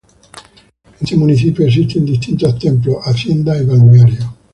En este municipio existen distintos templos, haciendas y balnearios.